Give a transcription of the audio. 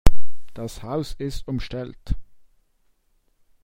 Das Haus ist umstellt.